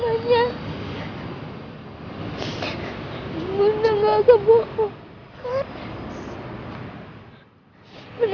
orang yang tadi siang dimakamin